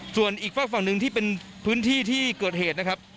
ส่วนอีกฝากฝั่งหนึ่งที่เป็นพื้นที่ที่เกิดเหตุนะครับ